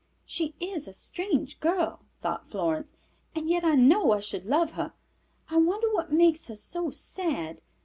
"She is a strange girl," thought Florence, "and yet I know I should love her. I wonder what makes her so sad.